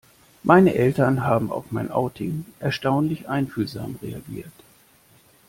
Meine Eltern haben auf mein Outing erstaunlich einfühlsam reagiert.